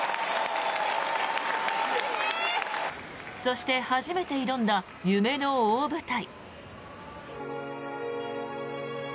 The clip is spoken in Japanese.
そして、初めて挑んだ夢の大舞台。